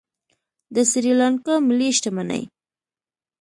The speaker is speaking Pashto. د سریلانکا ملي شتمني